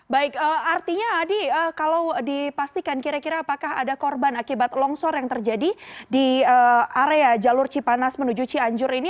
baik artinya adi kalau dipastikan kira kira apakah ada korban akibat longsor yang terjadi di area jalur cipanas menuju cianjur ini